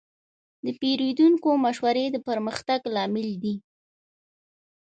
د پیرودونکو مشورې د پرمختګ لامل دي.